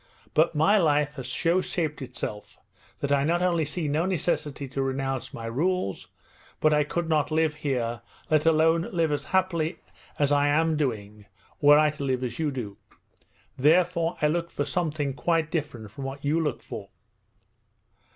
'But my life has so shaped itself that I not only see no necessity to renounce my rules, but I could not live here, let alone live as happily as I am doing, were I to live as you do. Therefore I look for something quite different from what you look for.'